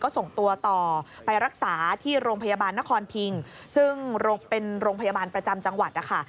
ส่งตัวต่อไปรักษาที่โรงพยาบาลนครพิงซึ่งเป็นโรงพยาบาลประจำจังหวัดนะคะ